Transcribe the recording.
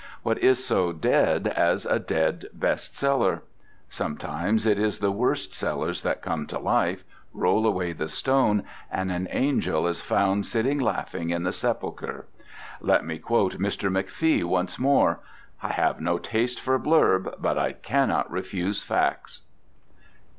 What is so dead as a dead best seller? Sometimes it is the worst sellers that come to life, roll away the stone, and an angel is found sitting laughing in the sepulchre. Let me quote Mr. McFee once more: "I have no taste for blurb, but I cannot refuse facts."